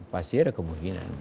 pasti ada kemungkinan